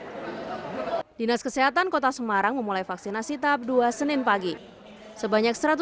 hai dinas kesehatan kota semarang memulai vaksinasi tahap dua senin pagi sebanyak seratus